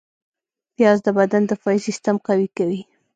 پیاز د بدن دفاعي سیستم قوي کوي